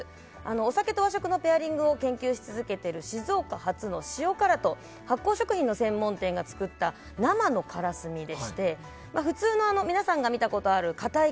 お酒と和食のペアリングを研究し続けている静岡発の塩辛と発酵食品の専門店が作った生のからすみで普通の皆さんが見たことがある硬い